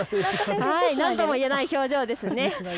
なんとも言えない表情ですね。